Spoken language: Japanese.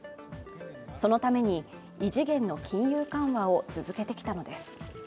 そのために異次元の金融緩和を続けてきたのです。